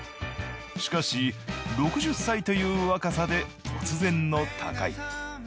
しかし６０歳という若さで突然の他界。